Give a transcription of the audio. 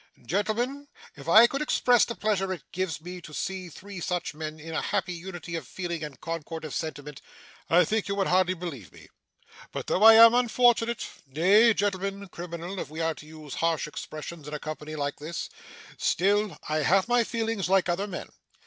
Gentlemen, if I could express the pleasure it gives me to see three such men in a happy unity of feeling and concord of sentiment, I think you would hardly believe me. But though I am unfortunate nay, gentlemen, criminal, if we are to use harsh expressions in a company like this still, I have my feelings like other men.